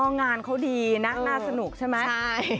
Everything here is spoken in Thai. งานเขาดีนะน่าสนุกใช่ไหม